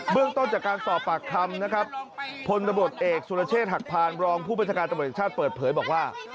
เรื่องต้นจากการสอบปากคำนะครับพลตำรวจเอกสุรเชษฐหักพานรองผู้บัญชาการตำรวจแห่งชาติเปิดเผยบอกว่า